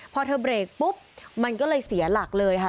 พอเธอเบรกปุ๊บมันก็เลยเสียหลักเลยค่ะ